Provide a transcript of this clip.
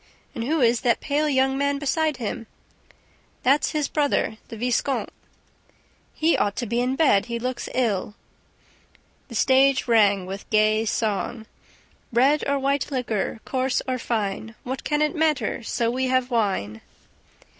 "And who is that pale young man beside him?" "That's his brother, the viscount." "He ought to be in his bed. He looks ill." The stage rang with gay song: "Red or white liquor, Coarse or fine! What can it matter, So we have wine?"